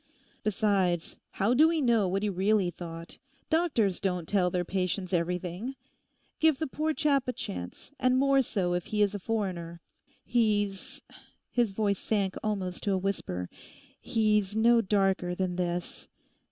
Besides, how do we know what he really thought? Doctors don't tell their patients everything. Give the poor chap a chance, and more so if he is a foreigner. He's'—his voice sank almost to a whisper—'he's no darker than this.